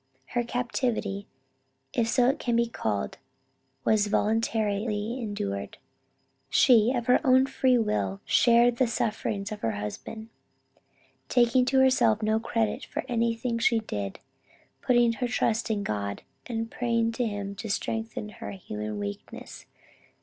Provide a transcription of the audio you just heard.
Her captivity, if so it can be called, was voluntarily endured. She of her own free will shared the sufferings of her husband, taking to herself no credit for anything she did; putting her trust in God, and praying to him to strengthen her human weakness.